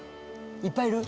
いっぱいいる？